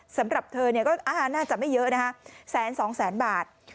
สำหรับเธอเนี่ยก็น่าจะไม่เยอะนะคะแสนสองแสนบาท